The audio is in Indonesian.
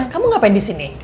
kamu ngapain di sini